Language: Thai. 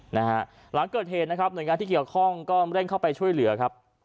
หลังเกิดเหตุนะครับหน่วยงานที่เกี่ยวข้องก็เร่งเข้าไปช่วยเหลือครับ